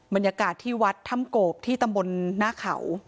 บรรยากาศที่วัดถ้ำโกบที่ตำบลหน้าเขา